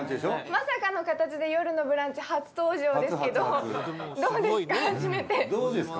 まさかの形で「よるのブランチ」初登場ですけどどうですか？